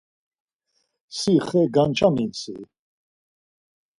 Si xe gançamins-i?